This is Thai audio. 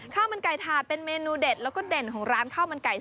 ข้าวมันไก่ถาดเป็นเมนูเด็ดแล้วก็เด่นของร้านข้าวมันไก่